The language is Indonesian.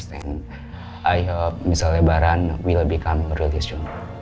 saya harap puan lebaran akan menjadi orang yang baik